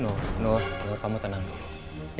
nur nur nur kamu tenang dulu